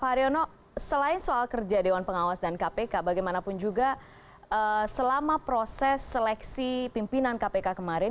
pak haryono selain soal kerja dewan pengawas dan kpk bagaimanapun juga selama proses seleksi pimpinan kpk kemarin